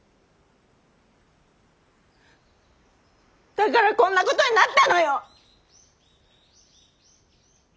だからこんなことになったのよ！